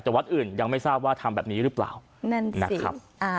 แต่วัดอื่นยังไม่ทราบว่าทำแบบนี้หรือเปล่านั่นเองนะครับ